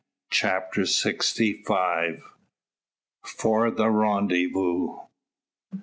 CHAPTER SIXTY FIVE. FOR THE RENDEZVOUS.